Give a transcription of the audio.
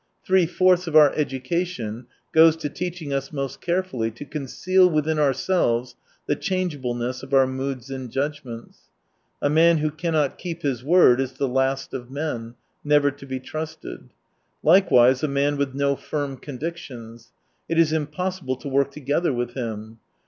Three fourths of our education goes to teaching us most carefully to conceal within ourselves the changeableness of our moods and judgments. A man who cannot keep his word is the last of men : never to be trusted. Likewise, a man with no firm convictions : it is im possible to work together with him.